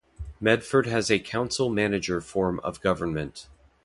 Medford has a council-manager form of government.